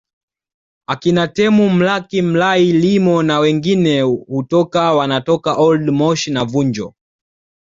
Akina Temu Mlaki Mlay Lyimo na wengine hutoka wanatoka Old Moshi na Vunjo